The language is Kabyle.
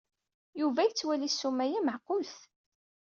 Yuba yettwali ssuma-a meɛqulet.